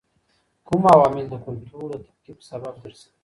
کوم عوامل د کلتور د تفکیک سبب ګرځي؟